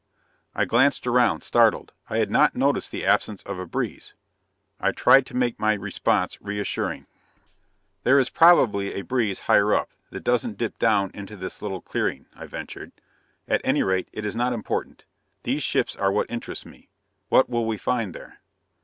I glanced around, startled. I had not noticed the absence of a breeze. I tried to make my response reassuring: "There is probably a breeze higher up, that doesn't dip down into this little clearing," I ventured. "At any rate, it is not important. These ships are what interest me. What will we find there?"